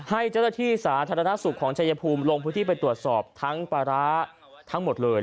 ให้เจ้าหน้าที่สาธารณสุขของชายภูมิลงพื้นที่ไปตรวจสอบทั้งปลาร้าทั้งหมดเลย